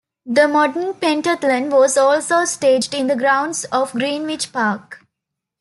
The modern pentathlon was also staged in the grounds of Greenwich Park.